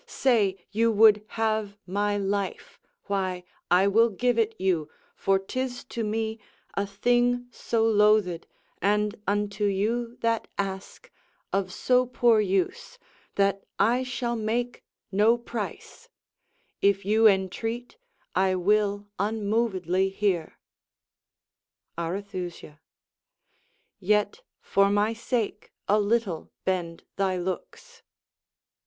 Say, you would have my life: Why, I will give it you; for 'tis to me A thing so loathed, and unto you that ask Of so poor use, that I shall make no price: If you entreat, I will unmovedly hear. Arethusa Yet, for my sake, a little bend thy looks.